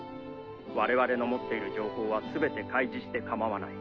我々の持っている情報は全て開示して構わない。